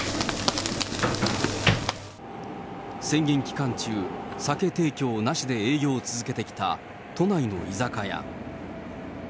宣言期間中、酒提供なしで営業を続けてきた都内の居酒屋。